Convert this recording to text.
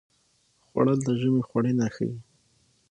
خوړل د ژمي خوړینه ښيي